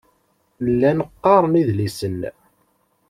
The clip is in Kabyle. Llan qqaren idlisen.